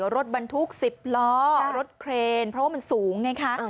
รถบรรทุก๑๐ล้อรถเครนเพราะว่ามันสูงไงคะ